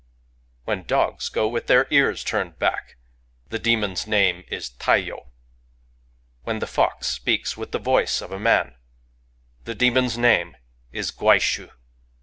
" When dogs go with their ears turned back^ the demon* s name is Taiyo. " When the Fox speaks with the voice of a man, the demon* s name is Gwaishu.